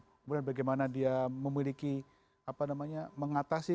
kemudian bagaimana dia memiliki apa namanya mengatasi